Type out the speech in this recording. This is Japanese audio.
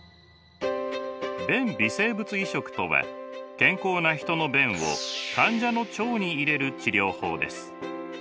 便微生物移植とは健康なヒトの便を患者の腸に入れる治療法です。